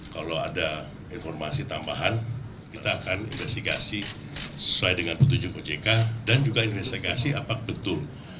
kalau ada informasi tambahan kita akan investigasi sesuai dengan petunjuk ojk dan juga investigasi apakah betul